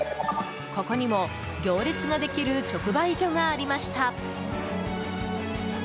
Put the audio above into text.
ここにも行列ができる直売所がありました。